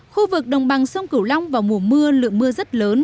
khu vực đồng bằng sông cửu long vào mùa mưa lượng mưa rất lớn